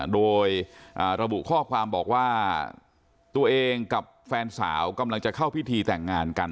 โดยระบุข้อความบอกว่าตัวเองกับแฟนสาวกำลังจะเข้าพิธีแต่งงานกัน